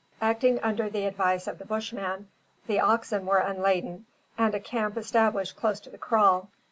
Acting under the advice of the Bushman, the oxen were unladen, and a camp established close to the kraal.